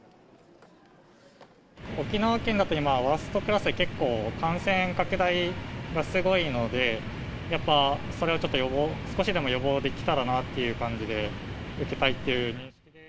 沖縄県だと今、ワーストクラスで結構感染拡大がすごいので、やっぱ、それをちょっと、少しでも予防できたらなっていう感じで、受けたいっていう。